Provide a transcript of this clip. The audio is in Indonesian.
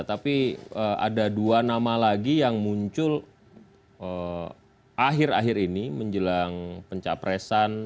tapi ada dua nama lagi yang muncul akhir akhir ini menjelang pencapresan